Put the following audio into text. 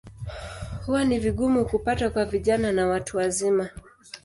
Huwa ni vigumu kupata kwa vijana na watu wazima.